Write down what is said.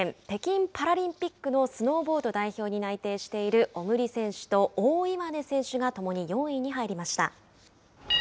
北京パラリンピックのスノーボード代表に内定している小栗選手と大岩根選手がともに４位に入りました。